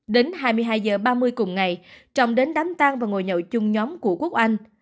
đến hai mươi hai h ba mươi cùng ngày trọng đến đám tang và ngồi nhậu chung nhóm của quốc anh